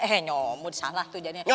eh nyomot salah tuh jadinya